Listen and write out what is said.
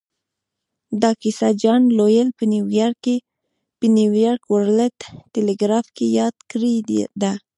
دا کيسه جان لويل په نيويارک ورلډ ټيليګراف کې ياده کړې ده.